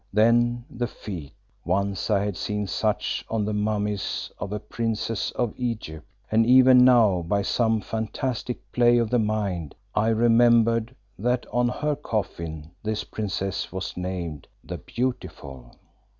Then the feet once I had seen such on the mummy of a princess of Egypt, and even now by some fantastic play of the mind, I remembered that on her coffin this princess was named "The Beautiful."